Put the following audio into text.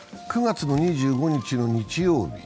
９月２５日の日曜日。